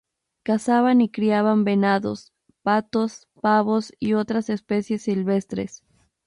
Cazaban y criaban venados, patos, pavos y otras especies silvestres.